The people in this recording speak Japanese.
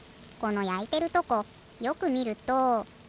このやいてるとこよくみると。